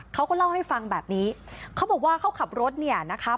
เขาก็เล่าให้ฟังแบบนี้เขาบอกว่าเขาขับรถเนี่ยนะคะ